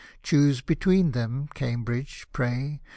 Choose between them, Cambridge, pray.